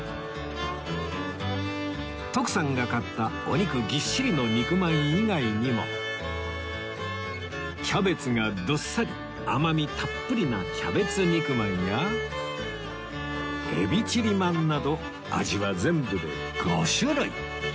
徳さんが買ったお肉ぎっしりの肉まん以外にもキャベツがどっさり甘みたっぷりなキャベツ肉まんやエビチリまんなど味は全部で５種類